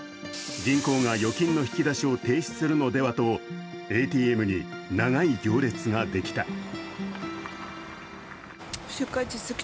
銀行が預金の引き出しを停止するのではとＡＴＭに長い行列ができた。